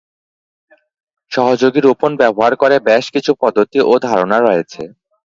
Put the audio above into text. সহযোগী রোপণ ব্যবহার করে বেশ কিছু পদ্ধতি ও ধারণা রয়েছে।